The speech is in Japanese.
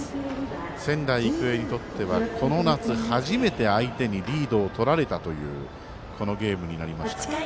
仙台育英にとってはこの夏初めて相手にリードをとられたというこのゲームになりました。